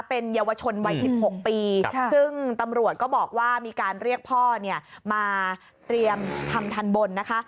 เป็นเยาวชนวัย๑๖ปีซึ่งตำรวจก็บอกว่ามีการเรียกพ่อเนี่ยมาเตรียมทำทันบนนะคะ